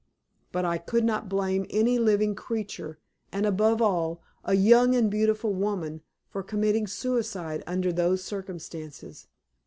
But I could not blame any living creature, and, above all, a young and beautiful woman, for committing suicide under those circumstances.